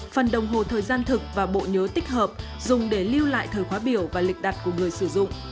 phần đồng hồ thời gian thực và bộ nhớ tích hợp dùng để lưu lại thời khóa biểu và lịch đặt của người sử dụng